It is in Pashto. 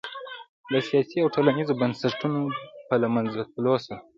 د سیاسي او ټولنیزو بنسټونو په له منځه تلو سره